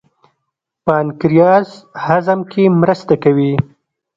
پانکریاس هضم کې مرسته کوي.